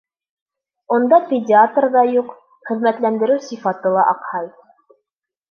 Унда педиатр ҙа юҡ, хеҙмәтләндереү сифаты ла аҡһай.